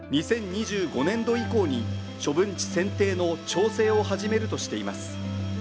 ２０２５年度以降に処分地選定の調整を始めるとしています。